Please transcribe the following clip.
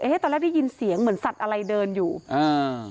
ตอนแรกได้ยินเสียงเหมือนสัตว์อะไรเดินอยู่อ่า